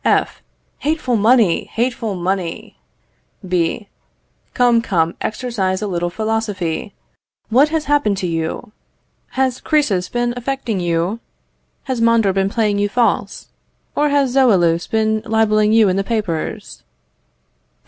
F. Hateful money! hateful money! B. Come, come, exercise a little philosophy. What has happened to you? Has Crœsus been affecting you? Has Mondor been playing you false? or has Zoilus been libelling you in the papers?